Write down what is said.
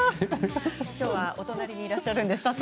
きょうはお隣にいらっしゃるので早速。